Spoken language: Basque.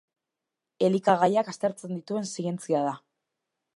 Elikagaiak aztertzen dituen zientzia da.